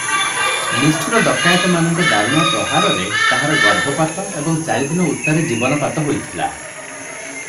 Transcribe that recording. ନିଷ୍ଠୁର ଡକାଏତମାନଙ୍କ ଦାରୁଣ ପ୍ରହାରରେ ତାହାର ଗର୍ଭପାତ ଏବଂ ଚାରିଦିନ ଉତ୍ତାରେ ଜୀବନପାତ ହୋଇଥିଲା ।